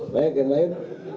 baik dan lain